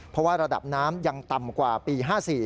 เพราะว่าระดับน้ำยังต่ำกว่าปี๕๔